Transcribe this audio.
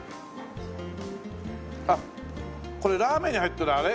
あっこれラーメンに入ってるあれ？